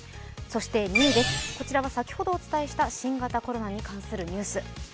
そして２位、こちらは先ほどお伝えした新型コロナに関するニュース。